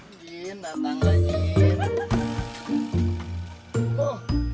jin datanglah jin